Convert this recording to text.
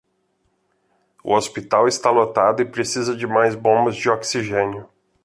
O hospital está lotado e precisa de mais bombas de oxigênio